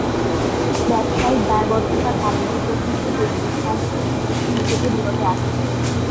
ব্যবসায়িক দায়বদ্ধতার কারণে চতুর্থ টেস্টে অংশগ্রহণ থেকে নিজেকে বিরত রাখেন।